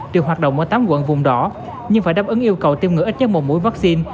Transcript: đều hoạt động ở tám quận vùng đỏ nhưng phải đáp ứng yêu cầu tiêm ngừa ít nhất một mũi vaccine